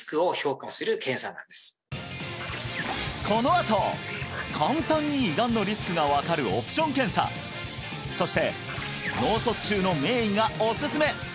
このあと簡単に胃がんのリスクが分かるオプション検査そして脳卒中の名医がおすすめ！